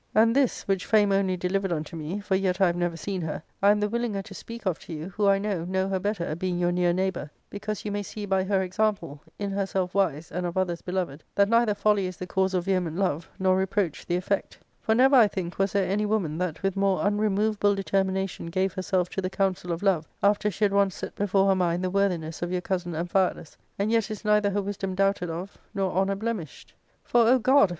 * And this, which fame only delivered * unto me — for yet I have never seen her — I am the willinger to speak of to you, who, I know, know her better, being your near neighbour, because you may see by her example, in her self wise and of others beloved, that neither folly is the cause of vehement love, nor reproach the effect ; for never, I think, was there any woman that with more unremovable determi nation gave herself to the counsel of love, after she had once set before her mind the worthiness of your cousin Amphialus \ and yet is neither her wisdom doubted of nor honour blemished. For, O God